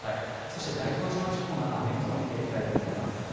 そして、大東島地方の雨予想を見ていきたいと思います。